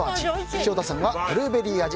潮田さんはブルーベリー味。